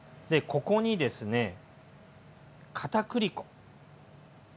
ここにですねかたくり粉。